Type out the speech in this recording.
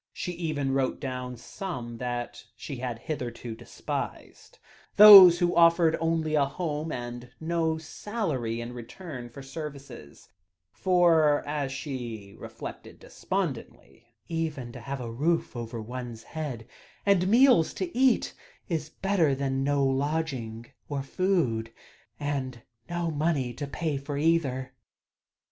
She even wrote down some that she had hitherto despised those who offered only a home and no salary in return for services; for, as she reflected despondently, "even to have a roof over one's head, and meals to eat, is better than to have no lodging, or food and no money to pay for either."